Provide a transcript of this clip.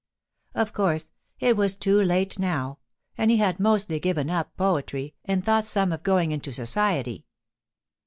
Of course, it was too late now, and he had mostly given up poetry and thought some of going into society.